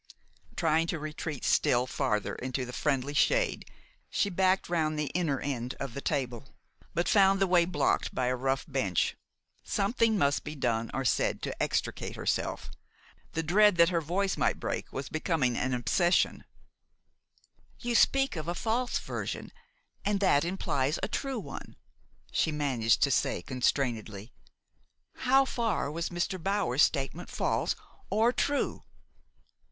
Trying to retreat still farther into the friendly shade, she backed round the inner end of the table, but found the way blocked by a rough bench. Something must be said or done to extricate herself. The dread that her voice might break was becoming an obsession. "You speak of a false version, and that implies a true one," she managed to say constrainedly. "How far was Mr. Bower's statement false or true?"